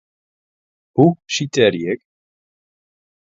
Hoe sitearje ik?